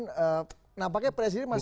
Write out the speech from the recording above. dan nampaknya presiden masih